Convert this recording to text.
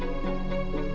tuhan aku mau nyunggu